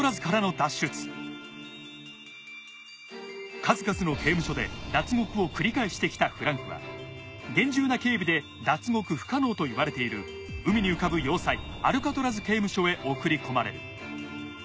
数々の刑務所で脱獄を繰り返してきたフランクは厳重な警備で脱獄不可能といわれている海に浮かぶ要塞アルカトラズ刑務所へ送り込まれる。